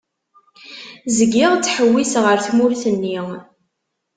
Zgiɣ ttḥewwiseɣ ar tmurt-nni.